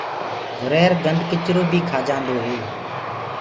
گھُرير گندکِچرو بي کآجآندو هي۔